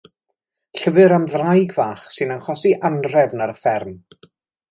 Llyfr am ddraig fach sy'n achosi anrhefn ar y fferm.